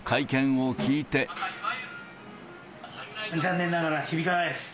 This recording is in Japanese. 残念ながら響かないです。